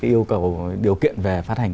yêu cầu điều kiện về phát hành